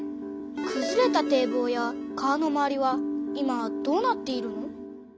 くずれた堤防や川の周りは今どうなっているの？